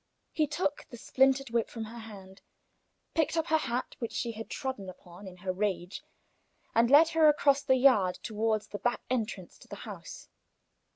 He took the splintered whip from her hand, picked up her hat which she had trodden upon in her rage, and led her across the yard toward the back entrance to the house.